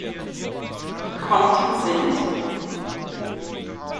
Quanten sind